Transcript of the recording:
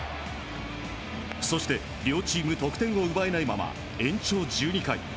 そして、両チーム得点を奪えないまま延長１２回。